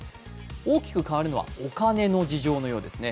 大きく変わるのはお金の事情のようですね。